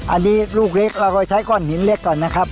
อันนี้ลูกเล็กเราก็ใช้ก้อนหินเล็กก่อนนะครับ